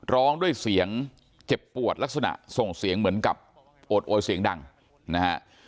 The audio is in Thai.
ร้องด้วยเสียงเจ็บปวดลักษณะส่งเสียงเหมือนกับโอดโอยเสียงดังนะฮะ